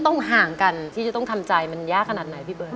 ต้องห่างกันที่จะต้องทำใจมันยากขนาดไหนพี่เบิร์